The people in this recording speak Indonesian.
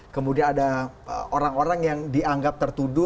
kemudian ada orang orang yang dianggap tertuduh